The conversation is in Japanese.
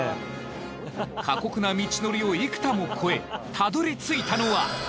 過酷な道のりを幾多も越えたどり着いたのは。